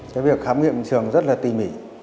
cái việc khám nghiệm trường rất là tỉ mỉ